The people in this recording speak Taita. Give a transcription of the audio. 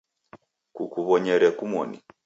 Kukuw'onyere kumoni